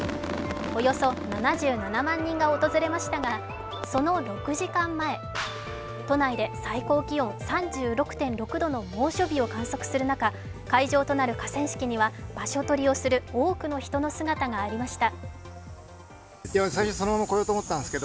およそ７７万人が訪れましたがその６時間前、都内で最高気温３６．６度の猛暑日を観測する中、会場となる河川敷には場所取りをする多くの人の姿がありました。